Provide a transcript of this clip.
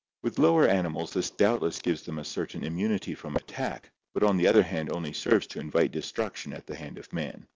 With lower animals this doubtless gives them a certain immunity from attack but on the other hand only serves to invite destruction at the hand of man.